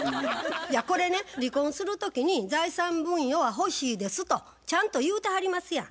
これね離婚する時に「財産分与は欲しいです」とちゃんと言うてはりますやん。